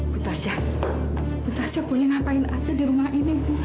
bu tasya bu tasya punya ngapain aja di rumah ini bu